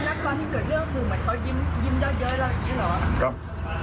ยิ้มเยอะแล้วอย่างงี้เหรอ